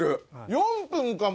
４分かも！